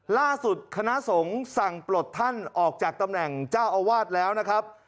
ล่าสุดคณะสงฆ์สั่งปลดท่านออกจากตำแหน่งเจ้าอาวาสแล้วนะครับ